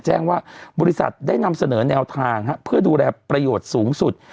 แจ้งว่าบริษัทได้นำเสนอแนวทางเพื่อดูแลประโยชน์สูงสุด